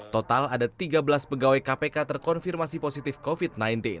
total ada tiga belas pegawai kpk terkonfirmasi positif covid sembilan belas